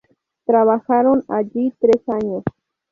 Trabajaron allí tres años.